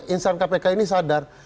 insan kpk ini sadar